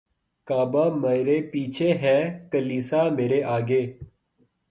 کعبہ مرے پیچھے ہے کلیسا مرے آگے